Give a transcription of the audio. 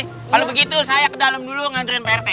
kalau begitu saya ke dalam dulu ngantriin pak rt ya